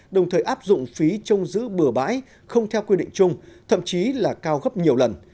đồng thời áp dụng phí trông giữ bừa bãi không theo quy định chung thậm chí là cao gấp nhiều lần